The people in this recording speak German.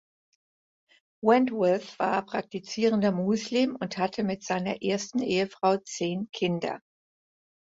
Wentworth war praktizierender Muslim und hatte mit seiner ersten Ehefrau zehn Kinder.